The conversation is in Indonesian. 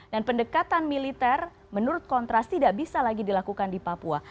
dan pendekatan militer menurut kontras tidak bisa lagi dilakukan di papua